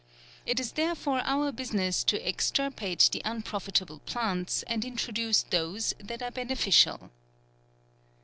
It is therefore our business to extirpate the unprofitable plants, and introduce those that are beneficial."